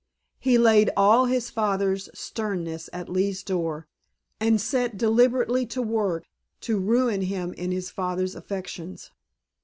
He laid all his father's sternness at Lee's door, and set deliberately to work to ruin him in his father's affections.